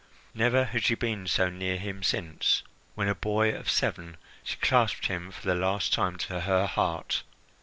Never had she been so near him since, when a boy of seven, she clasped him for the last time to her heart.